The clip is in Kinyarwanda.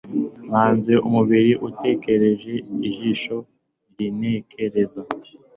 ntanze umubiri utatekereje ijisho rintekereza